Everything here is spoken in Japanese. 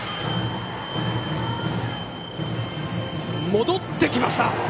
戻ってきました。